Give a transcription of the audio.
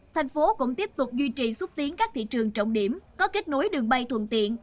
thành phố cũng tiếp tục duy trì xúc tiến các thị trường trọng điểm có kết nối đường bay thuận tiện